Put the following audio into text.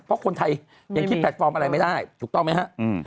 เพราะคนไทยยังคิดแพลตฟอร์มอะไรไม่ได้ถูกต้องไหมฮะ